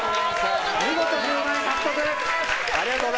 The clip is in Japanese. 見事１０万円獲得です。